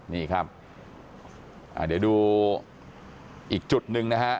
นี่ครับเดี๋ยวดูอีกจุดหนึ่งนะฮะ